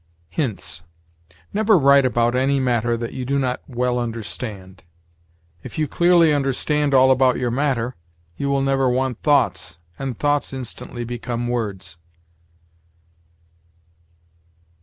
HINTS. "Never write about any matter that you do not well understand. If you clearly understand all about your matter, you will never want thoughts, and thoughts instantly become words.